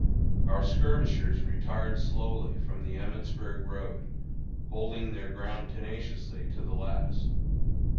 Our skirmishers retired slowly from the Emmitsburg road, holding their ground tenaciously to the last.